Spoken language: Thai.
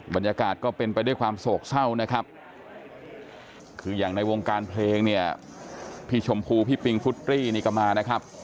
บรรยากาศก็เป็นไปด้วยความโศกเศร้านะครับคืออย่างในวงการเพลงเนี่ยพี่ชมพูพี่ปิงฟุตรีนี่ก็มานะครับ